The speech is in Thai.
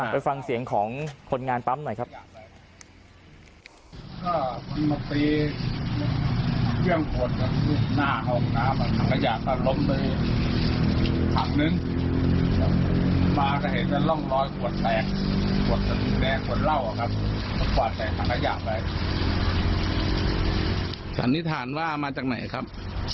ไปฟังเสียงของคนงานปั๊มหน่อยครับ